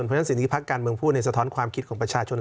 เพราะฉะนั้นสิ่งที่พักการเมืองพูดในสะท้อนความคิดของประชาชน